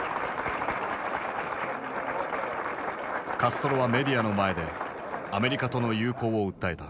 カストロはメディアの前でアメリカとの友好を訴えた。